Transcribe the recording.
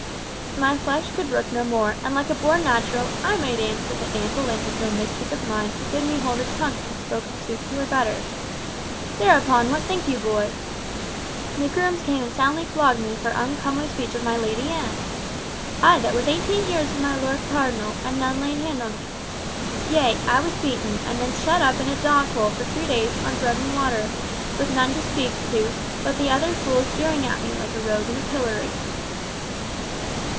My flesh could brook no more, and like a born natural, I made answer that Nan Boleyn was no mistress of mine to bid me hold a tongue that had spoken sooth to her betters. Thereupon, what think you, boy? The grooms came and soundly flogged me for uncomely speech of my Lady Anne! I that was eighteen years with my Lord Cardinal, and none laid hand on me! Yea, I was beaten; and then shut up in a dog hole for three days on bread and water, with none to speak to, but the other fools jeering at me like a rogue in a pillory."